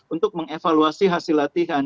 untuk mengevaluasi hasil latihan